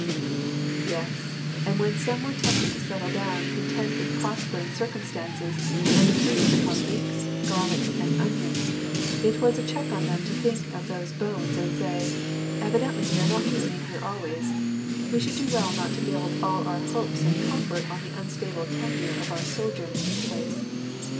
" Yes, and when some were tempted to settle down content with prospering circumstances, and to feast upon leeks, garlics, and onions, it was a check on them to think of those bones, and say, " Evidently we are not to remain here always : we should do well not to build all our hopes and comfort on the unstable tenure of our sojourn in this place."